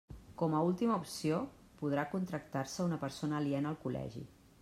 Com a última opció, podrà contractar-se una persona aliena al col·legi.